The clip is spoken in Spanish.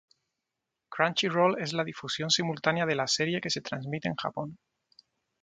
Crunchyroll es la difusión simultánea de la serie que se transmite en Japón.